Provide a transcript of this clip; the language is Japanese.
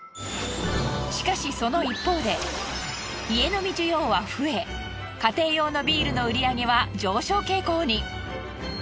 しかしその一方で家飲み需要は増え家庭用のビールの売上は上昇傾向に。